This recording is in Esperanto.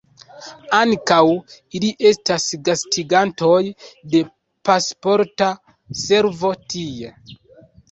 Ankaŭ ili estas gastigantoj de Pasporta Servo tie.